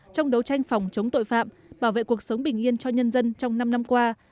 trong đấu tranh phòng chống tội phạm bảo vệ cuộc sống bình yên cho nhân dân trong năm năm qua